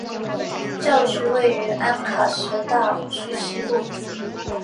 教区位于安卡什大区西部。